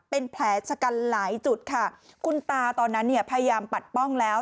เป็นแผลชะกันหลายจุดค่ะคุณตาตอนนั้นเนี่ยพยายามปัดป้องแล้ว